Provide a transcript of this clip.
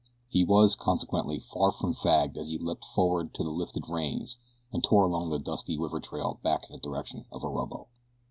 He was, consequently, far from fagged as he leaped forward to the lifted reins and tore along the dusty river trail back in the direction of Orobo.